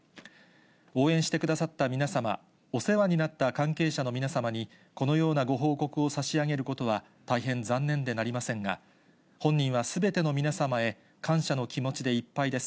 応援してくださった皆様、お世話になった関係者の皆様にこのようなご報告を差し上げることは大変残念でなりませんが、本人はすべての皆様へ感謝の気持ちでいっぱいです。